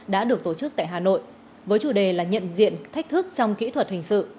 đã được tổ chức tại hà nội với chủ đề là nhận diện thách thức trong kỹ thuật hình sự